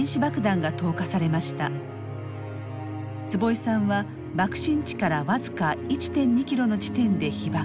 坪井さんは爆心地から僅か１．２キロの地点で被爆。